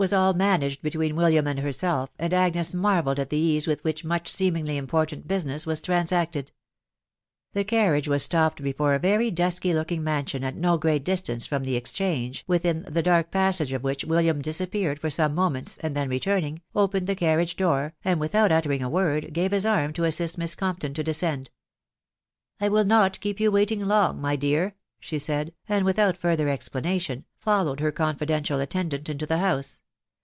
all managed between William and herself, and Agnes marvelled at the ease with which much seemingly important business was: The carriage was stopped before a very dusky looking sion at no great distance from die Exchange, within the dark passage of which William disappeared for some momenta, and then returning, opened the carriage door, and, without utter ing a word, gave his arm to assist Miss Compton to descend. " I will not keep yon waiting long, my dear," she said; and, without further explanation, followed her confidential attendant into the house.